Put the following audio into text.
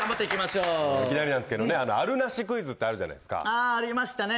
いきなりなんですけどある・なしクイズってあるじゃないですかありましたね